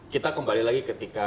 kita kembali lagi ketika